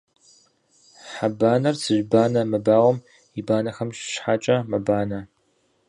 Хьэ бамэр цыжьбанэ мыбауэм и банэхэм щхьэкӏэ мэбанэ.